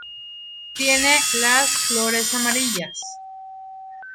Tiene las flores amarillas.